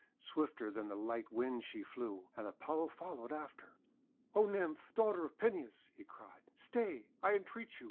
Swifter than the light Wind she flew, and Apollo fol lowed after. (O Nymph! daughter of Peneus," he cried, "stay, I entreat you!